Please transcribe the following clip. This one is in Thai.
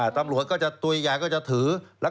ตำหลวดจะถือใช้ตัวใหญ่